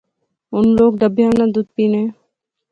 ہُن لوک ڈبیاں نا دُد پینے